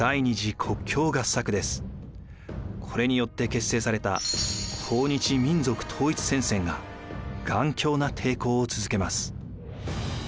これによって結成された抗日民族統一戦線が頑強な抵抗を続けます。